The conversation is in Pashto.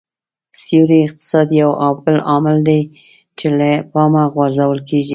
سیوري اقتصاد یو بل عامل دی چې له پامه غورځول کېږي